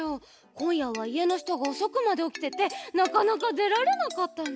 こんやはいえのひとがおそくまでおきててなかなかでられなかったの。